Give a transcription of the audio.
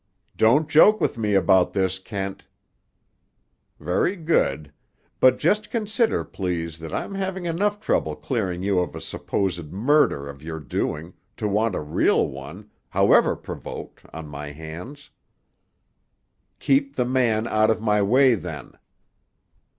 "Don't joke with me about this, Kent." "Very good. But just consider, please, that I'm having enough trouble clearing you of a supposed murder of your doing, to want a real one, however provoked, on my hands." "Keep the man out of my way, then."